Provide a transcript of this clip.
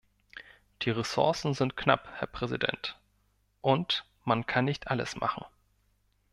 Die Ressourcen sind knapp, Herr Präsident, und man kann nicht alles machen.